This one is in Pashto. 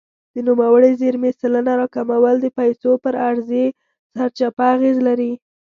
د نوموړې زیرمې سلنه راکمول د پیسو پر عرضې سرچپه اغېز لري.